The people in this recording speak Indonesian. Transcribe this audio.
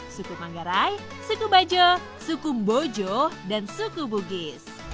suku manggarai suku bajo suku bojo dan suku bugis